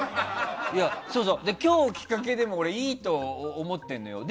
そうそう、今日きっかけでもいいと思ってるのよ、俺。